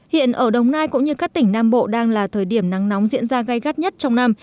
hiện ở đồng nai cũng như các tỉnh nam bộ đang là thời điểm nắng nóng diễn ra gai gắt nhất trong năm